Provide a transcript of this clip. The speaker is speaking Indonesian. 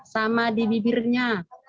sama di bibirnya